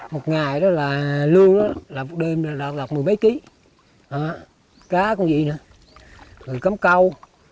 một ngày đó là lương đó là một đêm là lọt mười mấy kí cá con gì nè rồi cấm câu